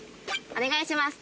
お願いします